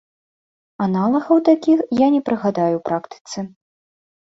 Аналагаў такіх я не прыгадаю ў практыцы.